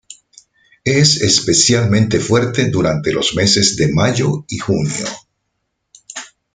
Es especialmente fuerte durante los meses de mayo y junio.